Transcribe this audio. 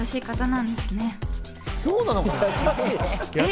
そうなのかな？